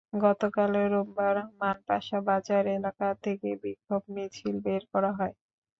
গতকাল রোববার মানপাশা বাজার এলাকা থেকে বিক্ষোভ মিছিল বের করা হয়।